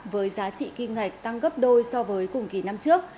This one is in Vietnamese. với giá trị kim ngạch tăng gấp đôi so với cùng kỳ năm trước